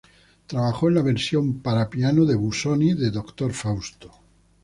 Trabajó en la versión para piano de Busoni de Doctor Fausto.